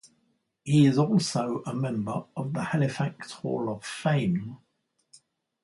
He is also a member of the Halifax Hall of Fame.